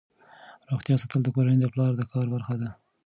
روغتیا ساتل د کورنۍ د پلار د کار برخه ده.